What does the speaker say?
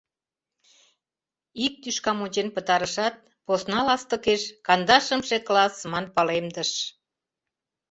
Ик тӱшкам ончен пытарышат, посна ластыкеш «Кандашымше класс» ман палемдыш.